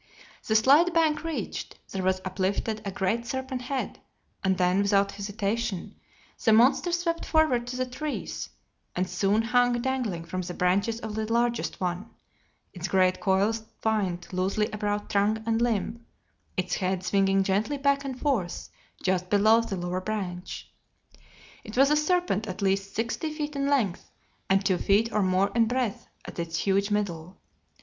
The slight bank reached, there was uplifted a great serpent head, and then, without hesitation, the monster swept forward to the trees and soon hung dangling from the branches of the largest one, its great coils twined loosely about trunk and limb, its head swinging gently back and forth just below the lower branch. It was a serpent at least sixty feet in length, and two feet or more in breadth at its huge middle.